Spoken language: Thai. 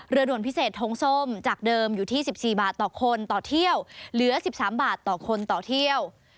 ด่วนพิเศษทงส้มจากเดิมอยู่ที่๑๔บาทต่อคนต่อเที่ยวเหลือ๑๓บาทต่อคนต่อเที่ยว